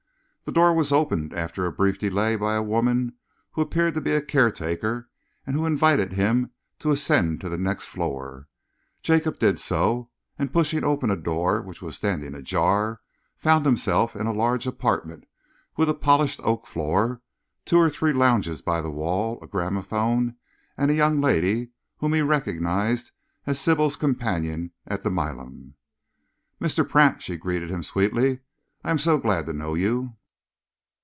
The door was opened after a brief delay by a woman who appeared to be a caretaker and who invited him to ascend to the next floor. Jacob did so, and, pushing open a door which was standing ajar, found himself in a large apartment with a polished oak floor, two or three lounges by the wall, a gramophone, and a young lady whom he recognised as Sybil's companion at the Milan. "Mr. Pratt," she greeted him sweetly. "I am so glad to know you."